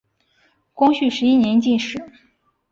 光绪十一年进士。